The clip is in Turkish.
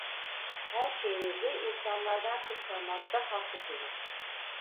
Her şeyinizi insanlardan kıskanmakta haklısınız.